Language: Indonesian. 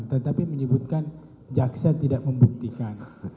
tetapi menyebutkan jaksa tidak membuktikan